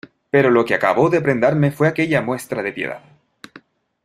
¡ pero lo que acabó de prendarme fue aquella muestra de piedad!